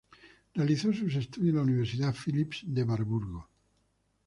Realizó sus estudios en la Universidad Philipps de Marburgo.